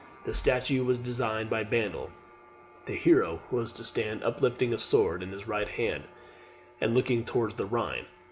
The statue was designed by Bandel. The hero was to stand uplifting a sword in his right hand, and looking towards the Rhine.